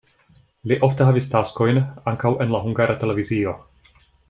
Li ofte havis taskojn ankaŭ en la Hungara Televizio.